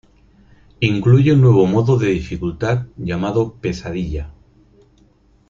Incluye un nuevo modo de dificultad llamado Pesadilla.